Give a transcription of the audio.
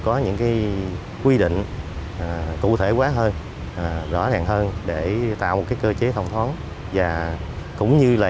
có những cái quy định cụ thể quá hơn rõ ràng hơn để tạo một cái cơ chế thông thoáng và cũng như là